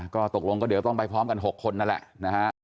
ก็ตกลงก็เดี๋ยวต้องไปพร้อมกัน๖คนนั่นแหละนะฮะ